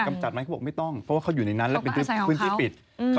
กำจัดไหมไม่ต้องเพราะว่าเขาอยู่ในนั้นแล้วเป็นคุณที่ปิด